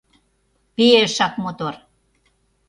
Пе-эшак мотор!